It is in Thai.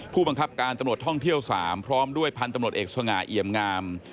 ผู้บังคับการตำรวจท่องเที่ยว๓พร้อมด้วยพันธุ์ตำรวจเอกสง่าเอี่ยมงาม